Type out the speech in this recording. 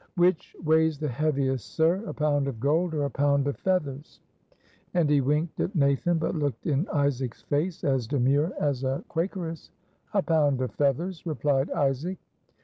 "Which weighs the heaviest, sir, a pound of gold or a pound of feathers?" and he winked at Nathan, but looked in Isaac's face as demure as a Quakeress. "A pound of feathers," replied Isaac.